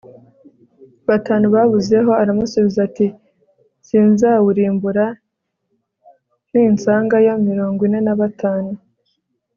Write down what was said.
batanu babuzeho Aramusubiza ati sinzawurimbura ninsangayo mirongo ine na batanu